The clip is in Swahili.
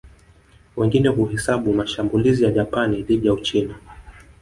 Wengine huhesabu mashambulizi ya Japani dhidi ya Uchina